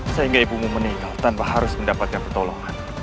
sehingga ibumu meninggal tanpa harus mendapatkan pertolongan